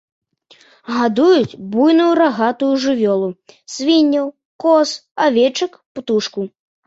Гадуюць буйную рагатую жывёлу, свінняў, коз, авечак, птушку.